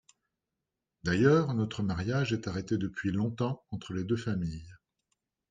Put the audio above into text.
D’ailleurs, notre mariage est arrêté depuis longtemps entre les deux familles…